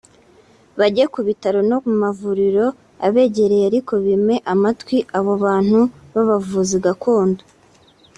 bajye ku bitaro no mu mavuriro abegereye ariko bime amatwi abo bantu b’abavuzi gakondo